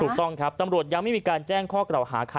ถูกต้องครับตำรวจยังไม่มีการแจ้งข้อกล่าวหาใคร